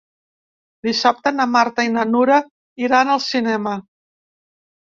Dissabte na Marta i na Nura iran al cinema.